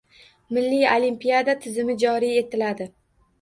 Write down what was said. Milliy olimpiada tizimi joriy etiladi.